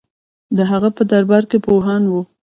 د هغه په دربار کې پوهان وو